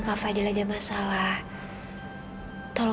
kak fadil gak sadar